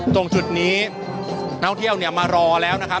ตรงจุดนี้นักท่องเที่ยวเนี่ยมารอแล้วนะครับ